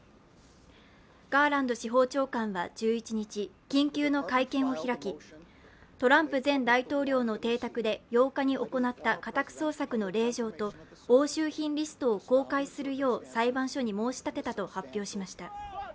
ガーランド司法長官は１１日、緊急の会見を開き、トランプ前大統領の邸宅で８日に行った家宅捜索の令状と押収品リストを公開するよう裁判所に申し立てたと発表しました。